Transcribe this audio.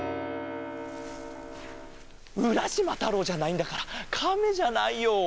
うらしまたろうじゃないんだからカメじゃないよ。